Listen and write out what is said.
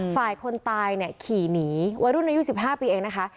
ฝ่ายคนตายเนี่ยขี่หนีวัยรุ่นอายุ๑๕ปีเองนะคะ